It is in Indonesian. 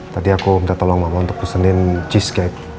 tadi aku minta tolong mama untuk pesenin cheese cake